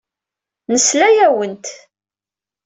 Nesla-awent.